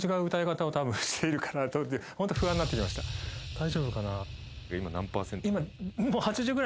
大丈夫かな。